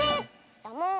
だもん。